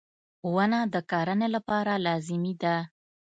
• ونه د کرنې لپاره لازمي ده.